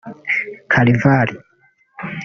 Carivali